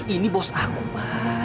ini bos aku pa